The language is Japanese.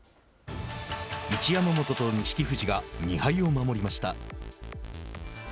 一山本と錦富士が２敗を守りました。